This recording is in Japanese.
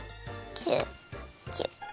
キュッキュッ。